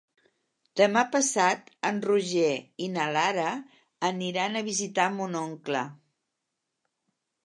Demà passat en Roger i na Lara aniran a visitar mon oncle.